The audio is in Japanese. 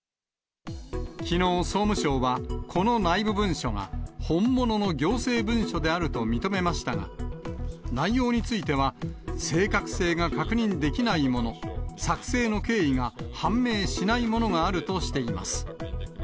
きのう総務省は、この内部文書が本物の行政文書であると認めましたが、内容については、正確性が確認できないもの、作成の経緯が判明しないものがあるとしています。